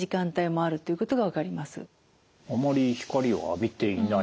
あまり光を浴びていない。